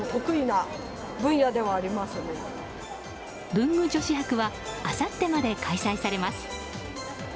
文具女子博はあさってまで開催されます。